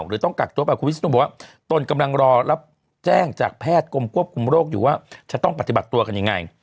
หรือต้องกักตัวไปคุณวิศนุบอกว่าตนกำลังรอรับแจ้งจากแพทย์กรมควบคุมโรคอยู่ว่าจะต้องปฏิบัติตัวกันยังไง